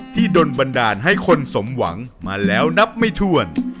โดนบันดาลให้คนสมหวังมาแล้วนับไม่ถ้วน